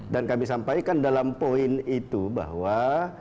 dan kami sampaikan dalam poin itu bahwa